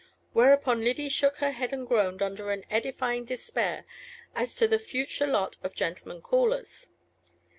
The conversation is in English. Whereupon Lyddy shook her head and groaned, under an edifying despair as to the future lot of gentlemen callers.